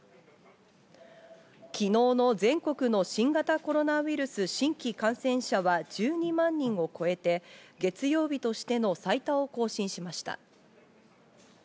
昨日の全国の新型コロナウイルス新規感染者は１２万人を超えて、月曜日としての最多を更新しました。